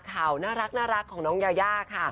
ข่าวน่ารักของน้องยายาค่ะ